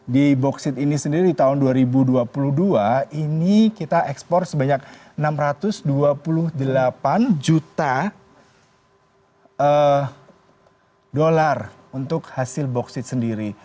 di boksit ini sendiri di tahun dua ribu dua puluh dua ini kita ekspor sebanyak enam ratus dua puluh delapan juta dolar untuk hasil boksit sendiri